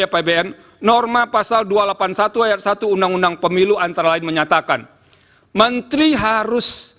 apbn norma pasal dua ratus delapan puluh satu ayat satu undang undang pemilu antara lain menyatakan menteri harus